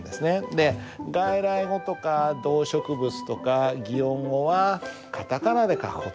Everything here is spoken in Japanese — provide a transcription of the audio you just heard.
で外来語とか動植物とか擬音語はカタカナで書く事になってます。